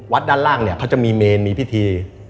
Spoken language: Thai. ด้านล่างเนี่ยเขาจะมีเมนมีพิธี